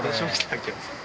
秋山さん。